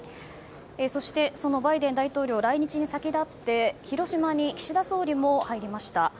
そして、そのバイデン大統領来日に先立って広島に岸田総理も入りました。